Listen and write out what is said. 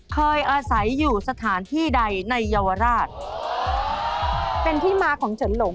เข้าสู่ช่วงที่๒ของรายการเกมรับจำนำในช่วง